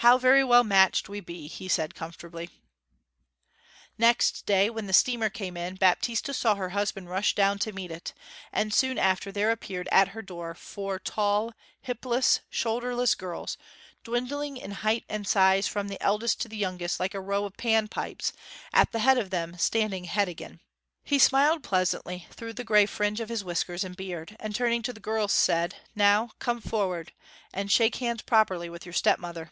'How very well matched we be!' he said, comfortably. Next day, when the steamer came in, Baptista saw her husband rush down to meet it; and soon after there appeared at her door four tall, hipless, shoulderless girls, dwindling in height and size from the eldest to the youngest, like a row of Pan pipes; at the head of them standing Heddegan. He smiled pleasantly through the grey fringe of his whiskers and beard, and turning to the girls said, 'Now come forrard, and shake hands properly with your stepmother.'